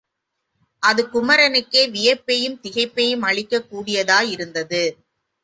அது குமரனுக்கே வியப்பையும் திகைப்பையும் அளிக்கக் கூடியதாயிருந்தது.